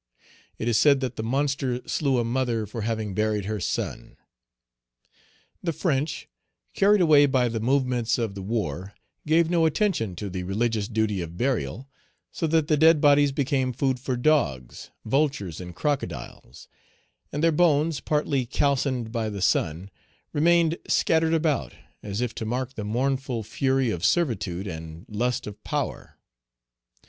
It is said that the monster slew a mother for having buried her son. The French, carried away by the movements of the war, gave no attention to the religious duty of burial, so that the dead bodies became food for dogs, vultures, and crocodiles; and their bones, partly calcined by the sun, remained scattered about, as if to mark the mournful fury of servitude and lust of power.